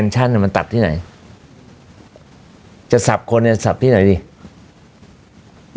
คู่ที่ไหนจะสับคนในสับที่ไหนนแหล่ะ